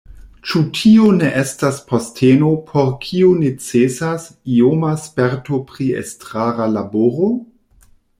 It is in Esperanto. Ĉu tio ne estas posteno, por kiu necesas ioma sperto pri estrara laboro?